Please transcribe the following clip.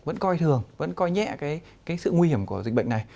vẫn coi thường vẫn coi nhẹ cái sự nguy hiểm của dịch bệnh này